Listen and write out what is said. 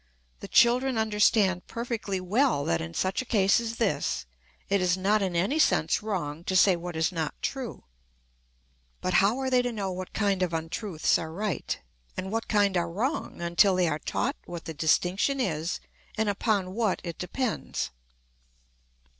The children understand perfectly well that in such a case as this it is not in any sense wrong to say what is not true. But how are they to know what kind of untruths are right, and what kind are wrong, until they are taught what the distinction is and upon what it depends.